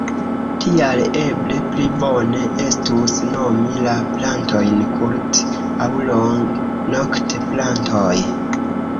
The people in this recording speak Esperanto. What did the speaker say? Tial eble pli bone estus nomi la plantojn kurt- aŭ long-noktplantoj.